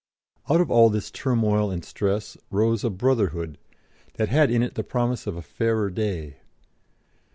Out of all this turmoil and stress rose a Brotherhood that had in it the promise of a fairer day.